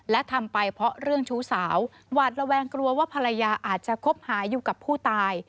และทำไปเพราะเรื่องชู้สาวหวาดระแวงกลัวว่าภรรยาอาจจะคบหาอยู่กับผู้ตาย